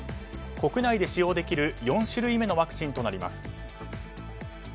国内で使用できる４種類目のワクチンとなります。